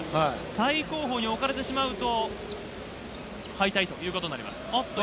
最後方に置かれてしまうと、敗退ということになります。